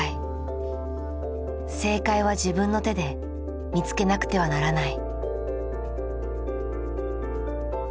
正解は自分の手で見つけなくてはならない。